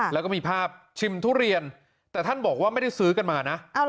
แล้วก็มีภาพชิมทุเรียนแต่ท่านบอกว่าไม่ได้ซื้อกันมานะ